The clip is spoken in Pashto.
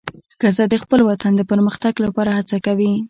ښځه د خپل وطن د پرمختګ لپاره هڅه کوي.